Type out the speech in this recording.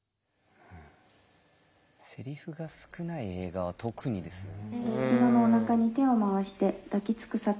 セリフが少ない映画は特にですよね。